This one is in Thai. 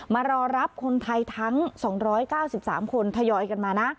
มารอรับคนไทยทั้ง๒๙๓คนทยอยกันมานะ